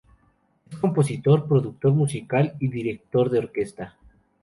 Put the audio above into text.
Es compositor, productor musical y director de orquesta.